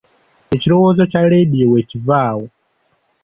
Ekirowoozo kya leediyo we kiva awo.